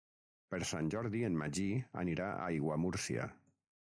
Per Sant Jordi en Magí anirà a Aiguamúrcia.